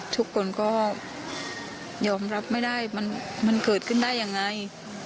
ทุกคนก็ยอมรับไม่ได้มันเกิดขึ้นได้ยังไง